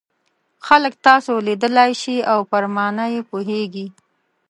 خلک تاسو لیدلای شي او پر مانا یې پوهیږي.